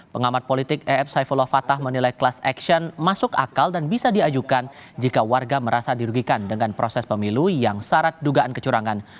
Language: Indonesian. pengamat politik ef saifullah fatah menilai class action masuk akal dan bisa diajukan jika warga merasa dirugikan dengan proses pemilu yang syarat dugaan kecurangan